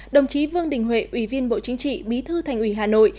đồng chí vương đình huệ ủy viên bộ chính trị bí thư thành ủy hà nội